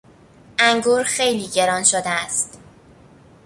انگور خیلی گران شده است.